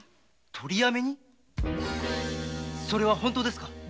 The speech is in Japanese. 取りやめに⁉それは本当ですか。